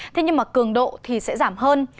thế nhưng mà cường độ thì sẽ giảm hơn